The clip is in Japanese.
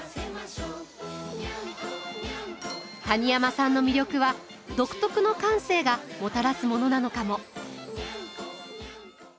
谷山さんの魅力は独特の感性がもたらすものなのかも。